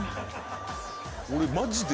俺マジで。